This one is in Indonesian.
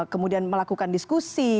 kemudian melakukan diskusi